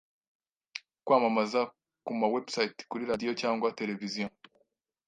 Kwamamaza kuma website, kuri radio cyangwa television